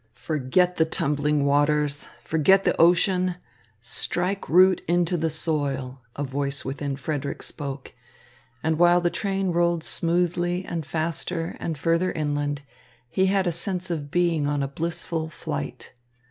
"Forget the tumbling waters, forget the ocean, strike root into the soil," a voice within Frederick spoke; and while the train rolled smoothly and faster and further inland, he had a sense of being on a blissful flight.